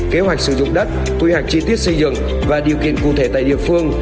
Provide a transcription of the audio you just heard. kế hoạch sử dụng đất quy hoạch chi tiết xây dựng và điều kiện cụ thể tại địa phương